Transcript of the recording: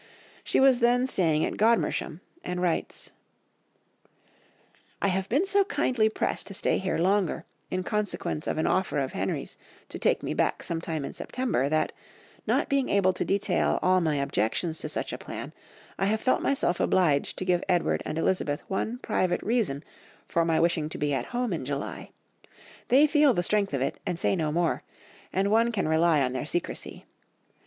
She was then staying at Godmersham, and writes— "I have been so kindly pressed to stay longer here, in consequence of an offer of Henry's to take me back some time in September, that, not being able to detail all my objections to such a plan, I have felt myself obliged to give Edward and Elizabeth one private reason for my wishing to be at home in July. They feel the strength of it, and say no more, and one can rely on their secrecy.